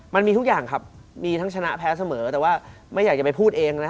มันมีทุกอย่างครับมีทั้งชนะแพ้เสมอแต่ว่าไม่อยากจะไปพูดเองนะ